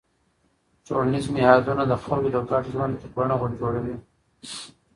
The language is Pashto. ټولنیز نهادونه د خلکو د ګډ ژوند بڼه جوړوي.